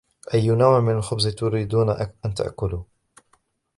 أي نوع من الخبز تريدون أن تأكلوا ؟